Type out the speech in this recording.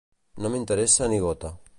No m'interessa ni gota.